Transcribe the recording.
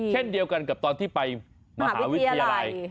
เช่นเดียวกันกับตอนที่ไปมหาวิทยาลัย